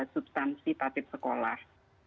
substansi tatib sekolah